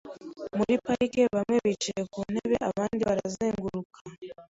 Muri parike, bamwe bicaye ku ntebe, abandi barazenguruka.